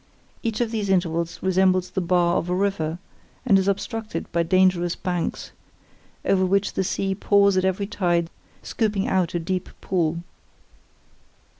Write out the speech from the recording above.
Each of these intervals resembles the bar of a river, and is obstructed by dangerous banks, over which the sea pours at every tide scooping out a deep pool.